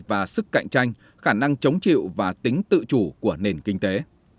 và sức cạnh tranh khả năng chống chịu và tính tự chủ của nền kinh tế